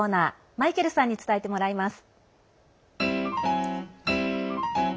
マイケルさんに伝えてもらいます。